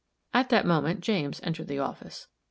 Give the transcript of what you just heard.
At that moment James entered the office.